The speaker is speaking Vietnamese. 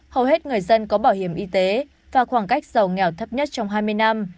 hầu hết người dân có bảo hiểm y tế và khoảng cách giàu nghèo thấp nhất trong hai mươi năm